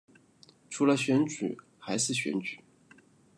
除了选举还是选举